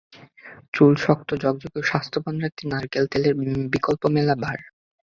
চুল শক্ত, ঝকঝকে এবং স্বাস্থ্যবান রাখতে নারকেল তেলের বিকল্প মেলা ভার।